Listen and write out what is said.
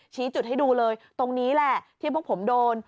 ชี้จุดให้ดูเลยตรงนี้แหละที่พวกผมโดน